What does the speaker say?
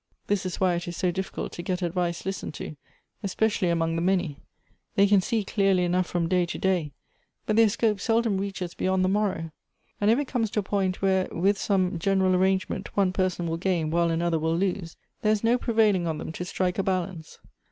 This is why it is so difficult to get advice listened to, especially among the many : they can see clearly enough from day to day, but their scope seldom reaches be yond the morrow ; and if it comes to a point where with some general aiTangement one person will gain while another will lose, there is no prevailing on them to strike a balance.